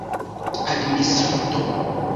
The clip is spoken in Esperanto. administranto